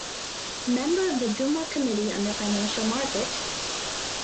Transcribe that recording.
Member of the Duma Committee on the Financial Market.